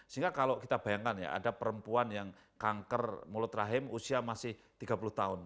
sehingga kalau kita bayangkan ya ada perempuan yang kanker mulut rahim usia masih tiga puluh tahun